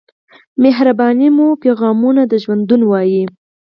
عاطفې مو پیغامونه د ژوندون وای